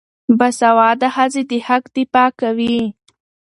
باسواده ښځې د حق دفاع کوي.